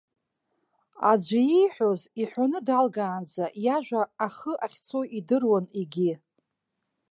Аӡәы ииҳәоз, иҳәаны далгаанӡа, иажәа ахы ахьцо идыруан егьи.